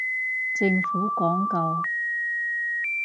政府廣告